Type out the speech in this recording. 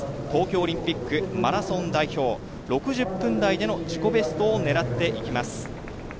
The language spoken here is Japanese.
東京オリンピック・マラソン代表６０分台での自己ベストを狙っていきます。